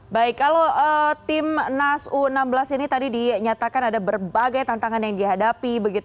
baik kalau tim nas u enam belas ini tadi dinyatakan ada berbagai tantangan yang dihadapi